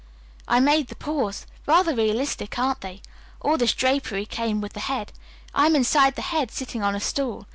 I made the paws. Rather realistic, aren't they? All this drapery came with the head. I am inside the head, sitting on a stool.